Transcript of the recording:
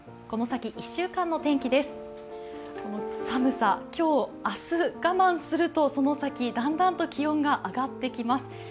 この寒さ、今日、明日我慢するとその先だんだんと気温が上がってきます。